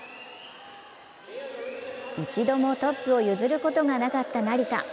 一度もトップを譲ることがなかった成田。